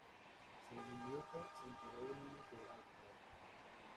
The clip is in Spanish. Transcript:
Según Liotta, se enteró de niño que era adoptado.